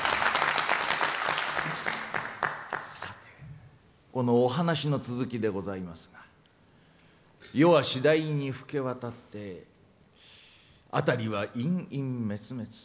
さて、このお話の続きでございますが夜は次第に更け渡って辺りは陰陰滅滅